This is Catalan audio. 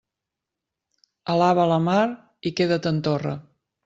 Alaba la mar i queda't en torre.